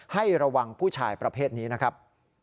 ให้ระวังผู้ชายประเภทนี้นะครับ